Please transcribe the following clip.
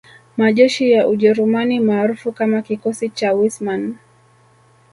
Majeshi ya Ujerumani maarufu kama Kikosi cha Wissmann